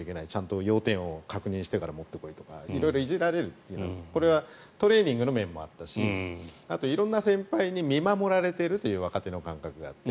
色々、要点を確認してから持って来いと色々いじられるっていうのがこれはトレーニングの面もあったしあと、色んな先輩に見守られているという若手の感覚があって。